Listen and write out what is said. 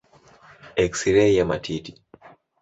Eksirei ya matiti.